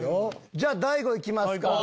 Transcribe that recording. じゃあ大悟いきますか。